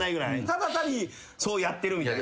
ただそうやってるみたいな。